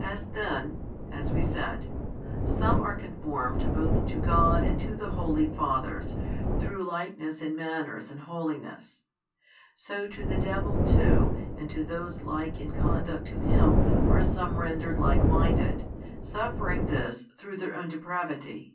As then (as we said) some are conformed both to God and to the holy fathers through likeness in manners and holiness; so to the devil too and to those like in conduct to him are some rendered like minded, suffering this through their own depravity.